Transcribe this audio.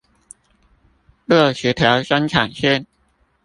六十條生產線